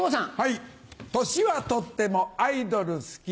年はとってもアイドル好きよ